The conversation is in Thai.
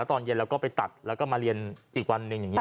ตอนเย็นแล้วก็ไปตัดแล้วก็มาเรียนอีกวันหนึ่งอย่างนี้